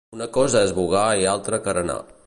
Una cosa és vogar i altra carenar.